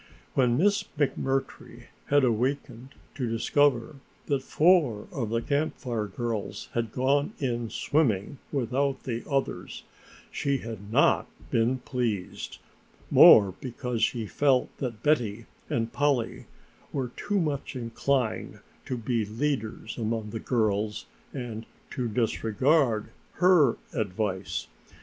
When Miss McMurtry had wakened to discover that four of the Camp Fire girls had gone in swimming without the others, she had not been pleased, more because she felt that Betty and Polly were too much inclined to be leaders among the girls and to disregard her advice.